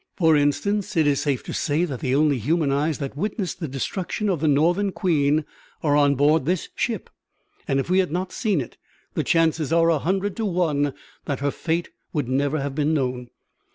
For instance, it is safe to say that the only human eyes that witnessed the destruction of the Northern Queen are on board this ship, and if we had not seen it the chances are a hundred to one that her fate would never have been known.